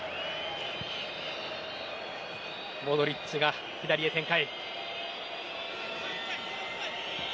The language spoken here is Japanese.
モドリッチが左へ展開。